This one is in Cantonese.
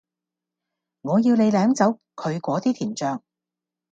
我要你舔走佢果啲甜醬